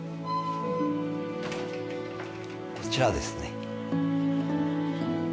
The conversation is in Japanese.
こちらですね。